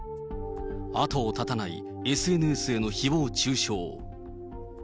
後を絶たないＳＮＳへのひぼう中傷。